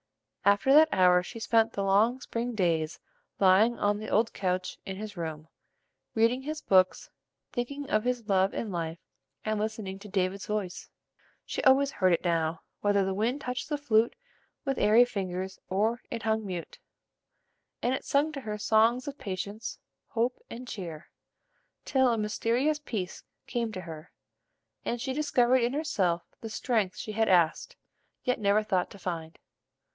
After that hour she spent the long spring days lying on the old couch in his room, reading his books, thinking of his love and life, and listening to "David's voice." She always heard it now, whether the wind touched the flute with airy fingers or it hung mute; and it sung to her songs of patience, hope, and cheer, till a mysterious peace carne to her, and she discovered in herself the strength she had asked, yet never thought to find.